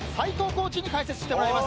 コーチに解説してもらいます。